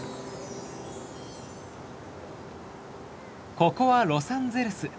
ここはロサンゼルス。